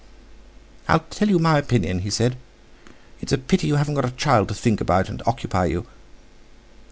"I tell you my opinion," he said, "it's a pity you haven't got a child to think about, and occupy you!"